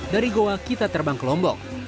dari goa kita terbang ke lombok